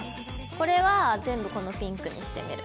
これは全部このピンクにしてみる。